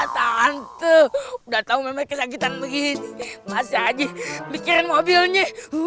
tante udah tau memang kesakitan begini masa aja pikirin mobilnya